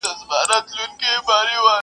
یوه ورځ یې زوی له ځان سره سلا سو٫